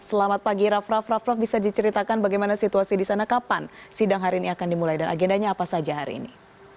selamat pagi raff raff raff raff bisa diceritakan bagaimana situasi di sana kapan sidang hari ini akan dimulai dan agendanya apa saja hari ini